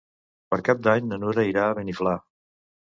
Per Cap d'Any na Nura irà a Beniflà.